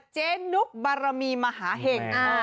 เจ๊นุกบารมีมหาเห็ง